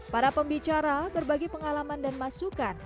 para pembicara berbagi pengalaman dan masukan